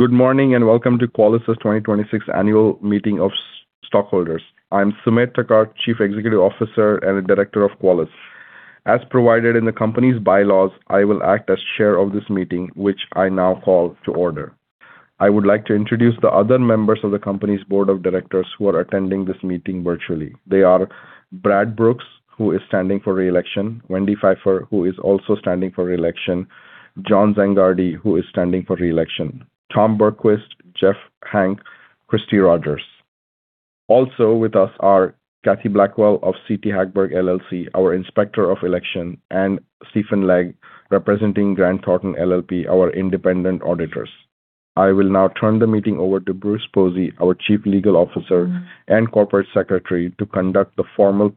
Good morning, welcome to Qualys' 2026 annual meeting of stockholders. I'm Sumedh Thakar, Chief Executive Officer and a Director of Qualys. As provided in the company's bylaws, I will act as chair of this meeting, which I now call to order. I would like to introduce the other members of the company's Board of Directors who are attending this meeting virtually. They are Brad Brooks, who is standing for re-election, Wendy Pfeiffer, who is also standing for re-election, John Zangardi, who is standing for re-election, Tom Berquist, Jeff Hank, Kristi Rogers. Also with us are Kathy Blackwell of CT Hagberg LLC, our Inspector of Election, and Stephen Legg, representing Grant Thornton LLP, our independent auditors. I will now turn the meeting over to Bruce Posey, our Chief Legal Officer and Corporate Secretary, to conduct the formal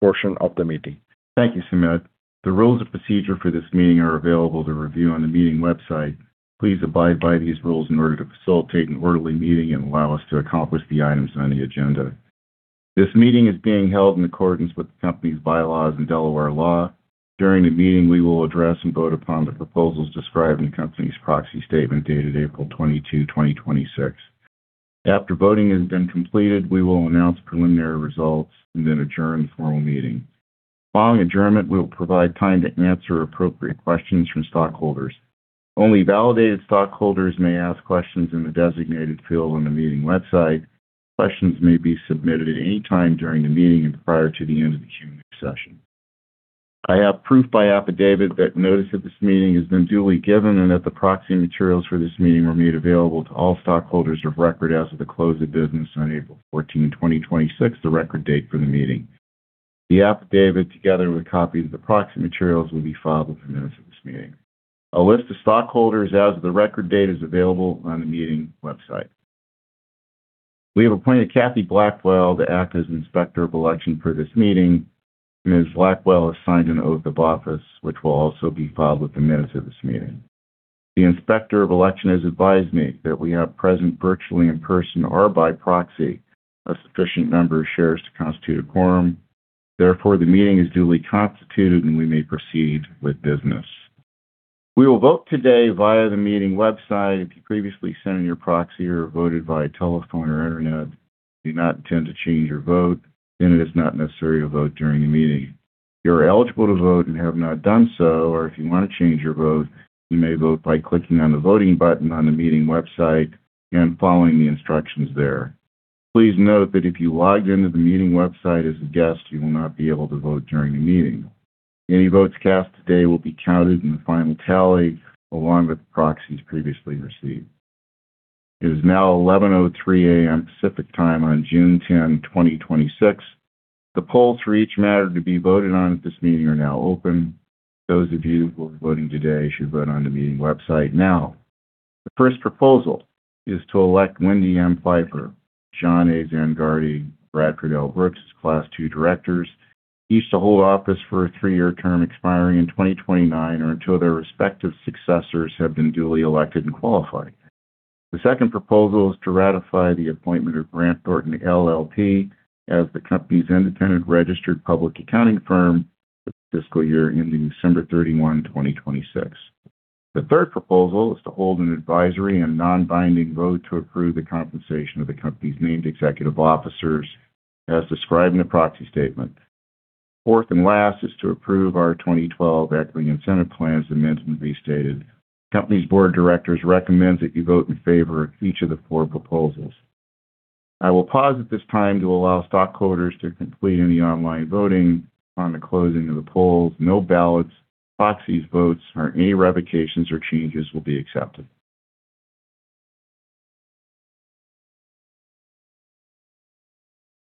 portion of the meeting. Thank you, Sumedh. The rules of procedure for this meeting are available to review on the meeting website. Please abide by these rules in order to facilitate an orderly meeting and allow us to accomplish the items on the agenda. This meeting is being held in accordance with the company's bylaws and Delaware law. During the meeting, we will address and vote upon the proposals described in the company's proxy statement dated April 22, 2026. After voting has been completed, we will announce preliminary results and then adjourn the formal meeting. Following adjournment, we will provide time to answer appropriate questions from stockholders. Only validated stockholders may ask questions in the designated field on the meeting website. Questions may be submitted at any time during the meeting and prior to the end of the Q&A session. I have proof by affidavit that notice of this meeting has been duly given and that the proxy materials for this meeting were made available to all stockholders of record as of the close of business on April 14, 2026, the record date for the meeting. The affidavit, together with copies of the proxy materials, will be filed with the minutes of this meeting. A list of stockholders as of the record date is available on the meeting website. We have appointed Kathy Blackwell to act as Inspector of Election for this meeting. Ms. Blackwell has signed an oath of office, which will also be filed with the minutes of this meeting. The Inspector of Election has advised me that we have present virtually, in person, or by proxy, a sufficient number of shares to constitute a quorum. Therefore, the meeting is duly constituted, and we may proceed with business. We will vote today via the meeting website. If you previously sent in your proxy or voted via telephone or internet and do not intend to change your vote, then it is not necessary to vote during the meeting. If you're eligible to vote and have not done so, or if you want to change your vote, you may vote by clicking on the voting button on the meeting website and following the instructions there. Please note that if you logged in to the meeting website as a guest, you will not be able to vote during the meeting. Any votes cast today will be counted in the final tally along with proxies previously received. It is now 11:03 A.M. Pacific Time on June 10, 2026. The polls for each matter to be voted on at this meeting are now open. Those of you who are voting today should vote on the meeting website now. The first proposal is to elect Wendy M. Pfeiffer, John A. Zangardi, Bradford L. Brooks as Class II directors, each to hold office for a three-year term expiring in 2029 or until their respective successors have been duly elected and qualified. The second proposal is to ratify the appointment of Grant Thornton LLP as the company's independent registered public accounting firm for the fiscal year ending December 31, 2026. The third proposal is to hold an advisory and non-binding vote to approve the compensation of the company's named executive officers as described in the proxy statement. Fourth and last is to approve our 2012 Equity Incentive Plans, as amended and restated. The company's board of directors recommends that you vote in favor of each of the four proposals. I will pause at this time to allow stockholders to complete any online voting. Upon the closing of the polls, no ballots, proxies, votes, or any revocations or changes will be accepted.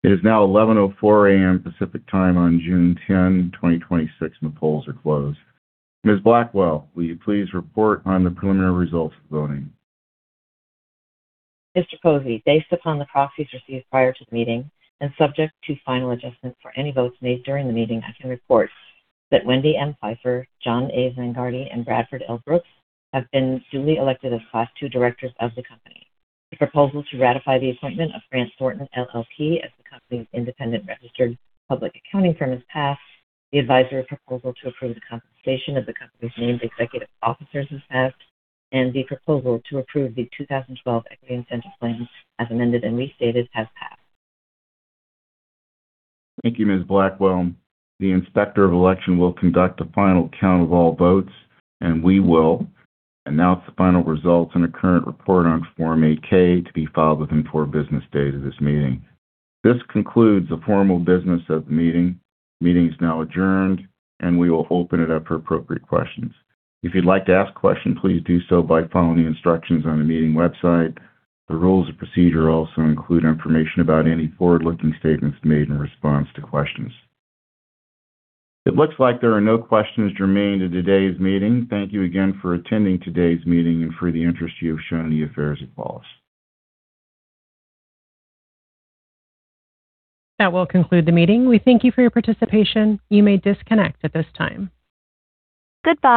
It is now 11:04 A.M. Pacific Time on June 10, 2026, and the polls are closed. Ms. Blackwell, will you please report on the preliminary results of the voting? Mr. Posey, based upon the proxies received prior to the meeting and subject to final adjustments for any votes made during the meeting, I can report that Wendy M. Pfeiffer, John A. Zangardi, and Bradford L. Brooks have been duly elected as Class II directors of the company. The proposal to ratify the appointment of Grant Thornton LLP as the company's independent registered public accounting firm has passed. The advisory proposal to approve the compensation of the company's named executive officers has passed, the proposal to approve the 2012 Equity Incentive Plan, as amended and restated, has passed. Thank you, Ms. Blackwell. The Inspector of Election will conduct a final count of all votes, we will announce the final results in a current report on Form 8-K to be filed within four business days of this meeting. This concludes the formal business of the meeting. The meeting is now adjourned, we will open it up for appropriate questions. If you'd like to ask a question, please do so by following the instructions on the meeting website. The rules of procedure also include information about any forward-looking statements made in response to questions. It looks like there are no questions germane to today's meeting. Thank you again for attending today's meeting and for the interest you have shown in the affairs of Qualys. That will conclude the meeting. We thank you for your participation. You may disconnect at this time. Goodbye.